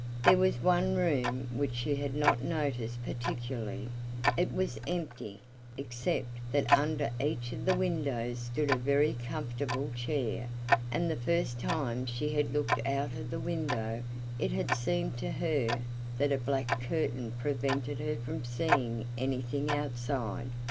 There was one room which she had not noticed particularly; it was empty, except that under each of the windows stood a very comfortable chair; and the first time she had looked out of the window it had seemed to her that a black curtain prevented her from seeing anything outside.